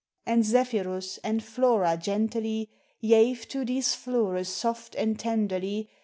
And Zephirus, and Flora gentelly, Yave to these floures soft and tenderly.